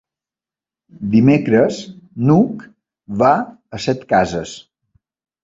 Dimecres n'Hug va a Setcases.